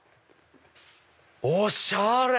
おしゃれ！